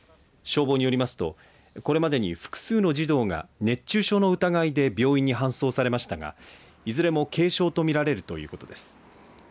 消防によりますとこれまでに複数の児童が熱中症の疑いで病院に搬送されましたがいずれも軽症とみられるということです。